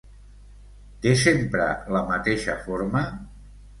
Té sempre la mateixa forma?